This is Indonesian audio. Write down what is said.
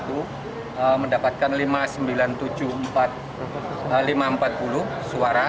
sementara pasangan calon nomor dua mendapatkan lima ratus sembilan puluh tujuh lima ratus empat puluh suara